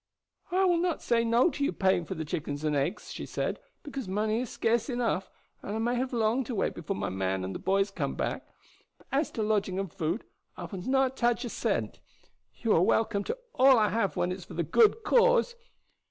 "I will not say no to your paying for the chickens and eggs," she said, "because money is scarce enough, and I may have long to wait before my man and the boys come back; but as to lodging and food I would not touch a cent. You are welcome to all I have when it's for the good cause."